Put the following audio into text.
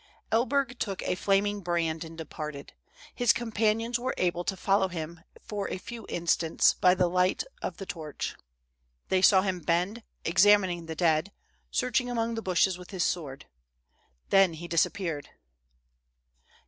Elberg took a flaming brand and departed. His companions were able to follow him for a few instants by the light of the torch. Tliey saw him bend, exam ining the dead, searching among the bushes with his sword. Then, he disappeared.